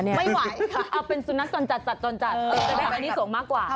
ไม่ไหวขอเป็นการถามมุติกับสัตว์าก่อน